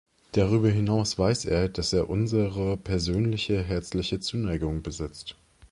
Darüber hinaus weiß er, dass er unsere persönliche herzliche Zuneigung besitzt.